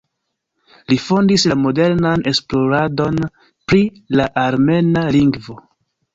Li fondis la modernan esploradon pri la armena lingvo.